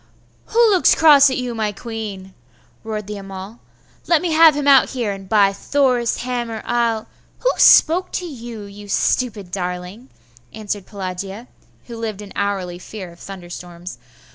'Who looks cross at you, my queen?' roared the Amal. 'Let me have him out here, and by Thor's hammer, I'll ' 'Who spoke to you, you stupid darling?' answered Pelagia, who lived in hourly fear of thunderstorms.